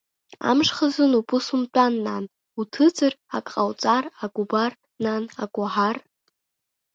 Амш хазыноуп, ус умтәан, нан, унҭыҵыр, ак ҟауҵар, ак убар, нан, ак уаҳар…